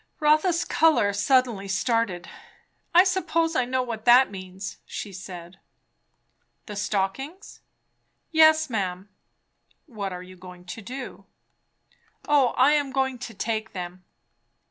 Rotha's colour suddenly started. "I suppose I know what that means!" she said. "The stockings?" "Yes, ma'am." "What are you going to do?" "O I am going to take them."